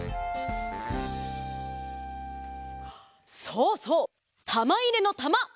そうそう！たまいれのたま！